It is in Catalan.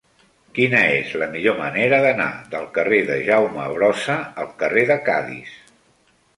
Quina és la millor manera d'anar del carrer de Jaume Brossa al carrer de Cadis?